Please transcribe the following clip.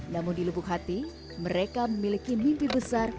namun di lubuk hati mereka memiliki mimpi besar